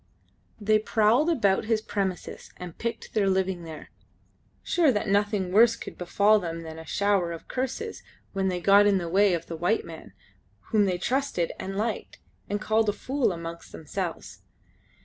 They prowled about his premises and picked their living there, sure that nothing worse could befall them than a shower of curses when they got in the way of the white man, whom they trusted and liked, and called a fool amongst themselves.